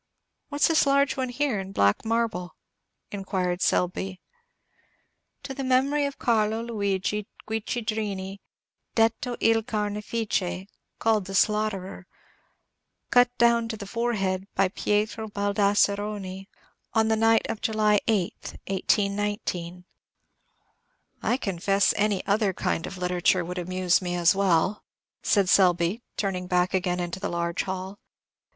"What's this large one here, in black marble?" inquired Selby. "To the memory of Carlo Luigi Guiccidrini, 'detto il Carnefice,' called 'the slaughterer:' cut down to the forehead by Pietro Baldasseroni, on the night of July 8th, 1819." "I confess any other kind of literature would amuse me as well," said Selby, turning back again into the large hall.